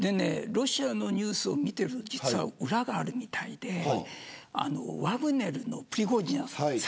ロシアのニュースを見てると裏があるみたいでワグネルのプリゴジンさん。